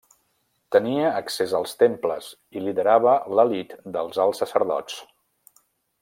Tenia accés als temples i liderava l'elit dels alts sacerdots.